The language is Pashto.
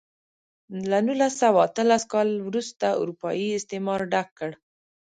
له نولس سوه اتلس کال وروسته اروپايي استعمار ډک کړ.